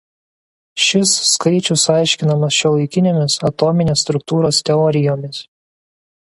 Ši skaičius aiškinamas šiuolaikinėmis atominės struktūros teorijomis.